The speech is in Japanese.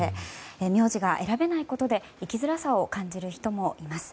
名字が選べないことで生きづらさを感じる人もいます。